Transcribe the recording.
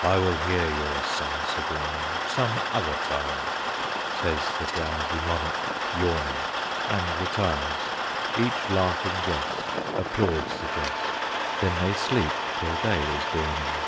"I will hear your song sublime Some other time," Says the drowsy monarch, yawning, And retires; each laughing guest Applauds the jest; Then they sleep till day is dawning.